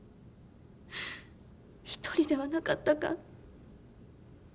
１人ではなかったか。